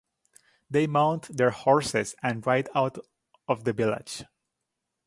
They mount their horses and ride out of the village.